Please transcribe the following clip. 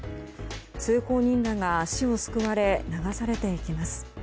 通行人らが足をすくわれ流されていきます。